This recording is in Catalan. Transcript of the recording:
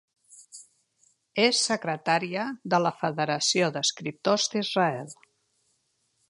És secretària de la Federació d'Escriptors d'Israel.